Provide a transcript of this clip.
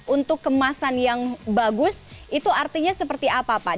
untuk kemasan yang bagus itu artinya seperti apa pak